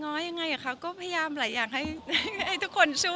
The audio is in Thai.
ง้อยยังไงอะคะก็พยายามหลายอย่างให้ทุกคนช่วย